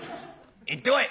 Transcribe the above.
行ってこい」。